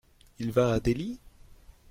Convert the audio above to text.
Il va à Delhi ?